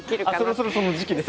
そろそろその時期ですね！